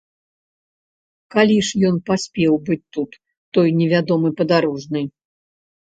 Калі ж ён паспеў быць тут, той невядомы падарожны?